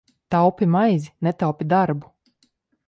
Taupi maizi, netaupi darbu!